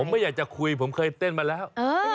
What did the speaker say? ผมไม่อยากจะคุยผมเคยเต้นมาแล้ว